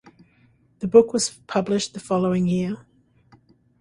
The book was published the following year.